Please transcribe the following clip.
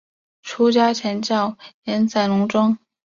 出家前叫岩仔龙庄。